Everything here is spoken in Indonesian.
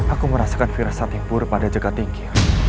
aku merasakan virus sating pur pada jaga tinggi